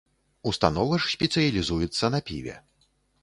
Установа ж спецыялізуецца на піве.